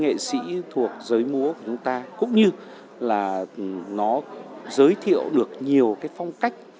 nghệ sĩ thuộc giới múa của chúng ta cũng như là nó giới thiệu được nhiều cái phong cách